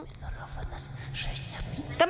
เมื่อผู้เช่ารู้เรื่องราวจึงเกิดเป็นประเด็นอีกครั้ง